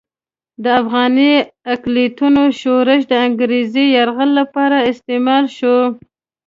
د افغاني اقلیتونو شورش د انګریزي یرغل لپاره استعمال شو.